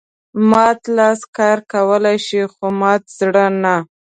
مات لاس کار کولای شي خو مات زړه نه.